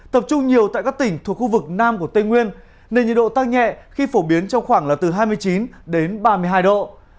tập trung nhiều tại các tỉnh thuộc khu vực nam của tây nguyên nền nhiệt độ tăng nhẹ khi phổ biến trong khoảng là từ hai mươi chín đến ba mươi hai độ